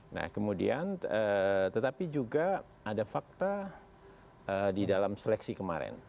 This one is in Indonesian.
nah kemudian tetapi juga ada fakta di dalam seleksi kemarin